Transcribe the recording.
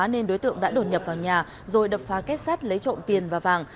nên đối tượng đã đột nhập vào nhà rồi đập phá kết sắt lấy trộm tiền và vàng